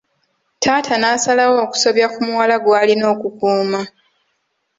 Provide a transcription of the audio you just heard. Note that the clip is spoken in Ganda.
Taata n'asalawo okusobya ku muwala gw'alina okukuuma.